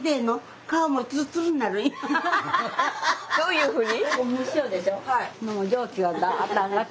どういうふうに？